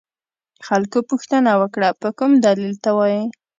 خلکو پوښتنه وکړه په کوم دلیل ته وایې.